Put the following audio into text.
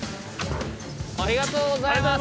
ありがとうございます。